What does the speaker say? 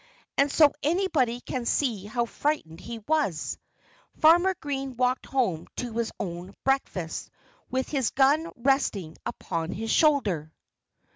And so anybody can see how frightened he was.... Farmer Green walked home to his own breakfast with his gun resting upon his shoulder.